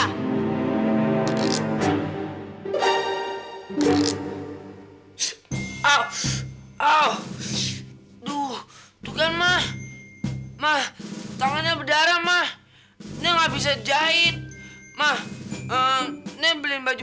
au au tuh kan mah mah tangannya berdarah mah ini gak bisa jahit mah ini beli baju